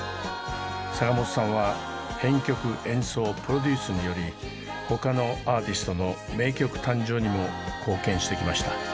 坂本さんは編曲演奏プロデュースにより他のアーティストの名曲誕生にも貢献してきました。